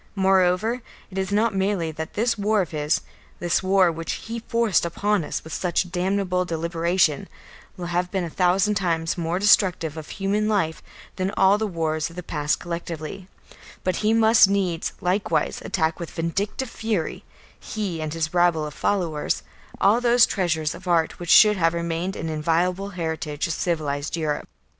Moreover it is not merely that this war of his, this war which he forced upon us with such damnable deliberation, will have been a thousand times more destructive of human life than all the wars of the past collectively, but he must needs likewise attack with vindictive fury, he and his rabble of followers, all those treasures of art which should have remained an inviolable heritage of civilised Europe.